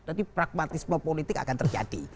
jadi pragmatisme politik akan terjadi